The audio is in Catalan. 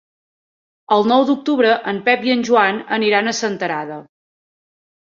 El nou d'octubre en Pep i en Joan aniran a Senterada.